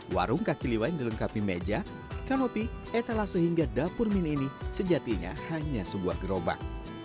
warung kaki lima yang dilengkapi meja kanopi etalase hingga dapur mini ini sejatinya hanya sebuah gerobak